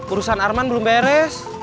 urusan arman belum beres